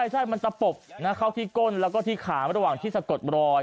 ใช่มันตะปบเข้าที่ก้นแล้วก็ที่ขาระหว่างที่สะกดรอย